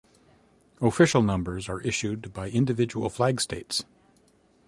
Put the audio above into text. Official numbers are issued by individual flag states.